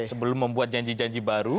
sebelum membuat janji janji baru